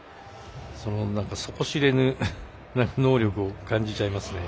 そこしれぬ能力を感じちゃいますね。